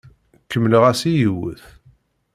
Kemmleɣ-as i yiwet.